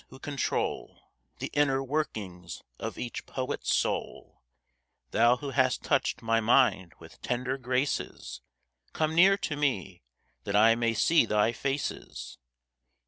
who control The inner workings of each poet soul, Thou who hast touched my mind with tender graces Come near to me that I may see thy faces.